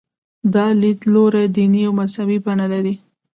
دا لیدلوری دیني او مذهبي بڼه لري.